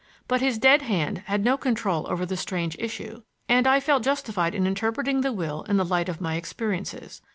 But his dead hand had no control over the strange issue, and I felt justified in interpreting the will in the light of my experiences.